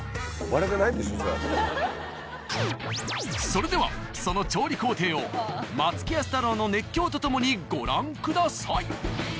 それではその調理工程を松木安太郎の熱狂と共にご覧ください。